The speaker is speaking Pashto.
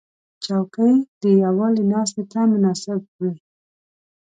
چوکۍ د یووالي ناستې ته مناسب وي.